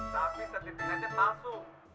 tapi sertifikatnya palsu